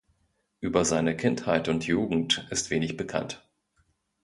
Über seine Kindheit und Jugend ist wenig bekannt.